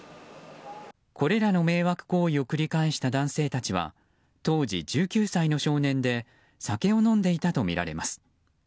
これらの迷惑行為を繰り返した男性たちは当時、１９歳の少年で酒を飲んでいたとみられます。